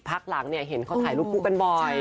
พักหลังเห็นเขาถ่ายลูกกลุ่มกันบ่อย